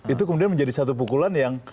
itu kemudian menjadi satu pukulan yang